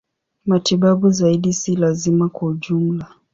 Matibabu zaidi si lazima kwa ujumla.